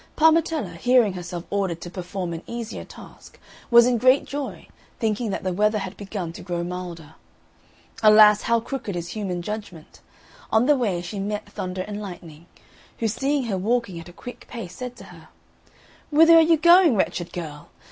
Parmetella, hearing herself ordered to perform an easier task, was in great joy, thinking that the weather had begun to grow milder. Alas, how crooked is human judgment! On the way she met Thunder and Lightning, who, seeing her walking at a quick pace, said to her, "Whither are you going, wretched girl?